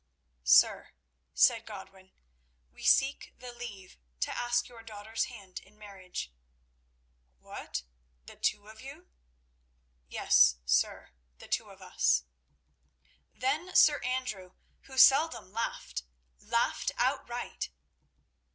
"Sir," said Godwin, "we seek the leave to ask your daughter's hand in marriage." "What! the two of you?" "Yes, sir; the two of us." Then Sir Andrew, who seldom laughed, laughed outright.